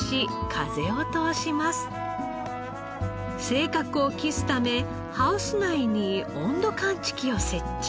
正確を期すためハウス内に温度感知器を設置。